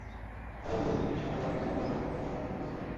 কথা বলতে বলতে তিনি কৃষ্ণাঙ্গ রাফিয়ানদের মজ্জাগত অপরাধপ্রবণতার ওপর জোর দেন।